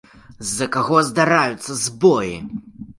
З-за каго здараюцца збоі?